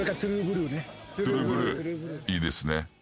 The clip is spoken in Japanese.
いいですね。